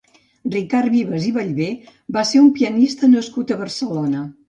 Ricard Vives i Ballvé va ser un pianista nascut a Barcelona.